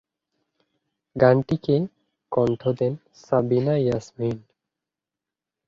গানটিতে কণ্ঠ দেন সাবিনা ইয়াসমিন।